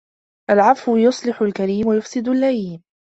العفو يصلح الكريم ويفسد اللئيم